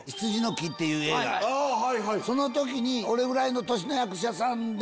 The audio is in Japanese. その時に俺ぐらいの年の役者さんで。